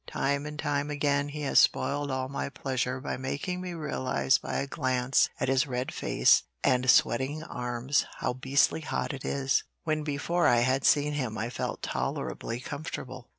Time and time again he has spoiled all my pleasure by making me realize by a glance at his red face and sweating arms how beastly hot it is, when before I had seen him I felt tolerably comfortable.